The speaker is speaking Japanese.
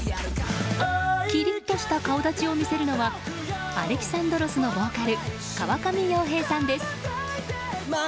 きりっとした顔立ちを見せるのが［Ａｌｅｘａｎｄｒｏｓ］のボーカル川上洋平さんです。